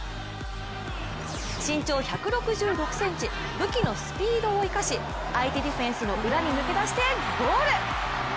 身長１６６ｃｍ、武器のスピードを生かし相手ディフェンスの裏に抜け出してゴール！